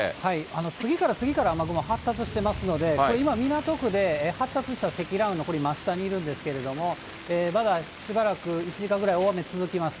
次から次から雨雲発達してますので、これ今、港区で、発達した積乱雲が、真下にいるんですけど、まだしばらく、１時間ぐらい大雨続きます。